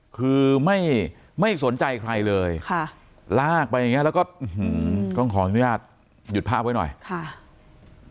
คือไม่ไม่สนใจใครเลยค่ะลากไปอย่างเงี้แล้วก็ต้องขออนุญาตหยุดภาพไว้หน่อยค่ะ